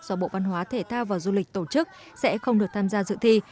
do bộ văn hóa thể thao và du lịch tổ chức sẽ không được tham gia dự thi